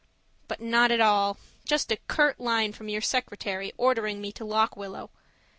But not at all! Just a curt line from your secretary ordering me to Lock Willow.